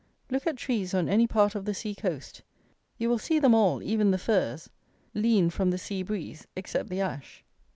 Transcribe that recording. Look at trees on any part of the sea coast. You will see them all, even the firs, lean from the sea breeze, except the ash.